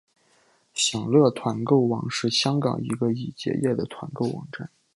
享乐团购网是香港一个已结业的团购网站。